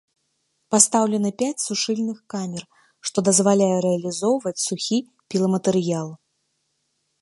Пастаўлены пяць сушыльных камер, што дазваляе рэалізоўваць сухі піламатэрыял.